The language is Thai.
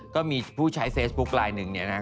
ก็มีผู้ใช้เฟซบุ๊คไลน์หนึ่งเนี่ยนะ